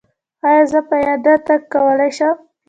ایا زه پیاده تګ کولی شم؟